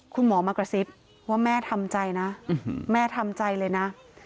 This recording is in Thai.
คุณหมอมากระซิบว่าแม่ทำใจนะแม่ทำใจเลยนะ